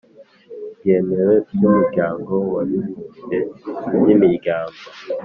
byemewe by'umuryango w'abibumbye, by'imiryango